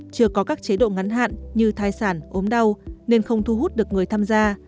chưa có các chế độ ngắn hạn như thai sản ốm đau nên không thu hút được người tham gia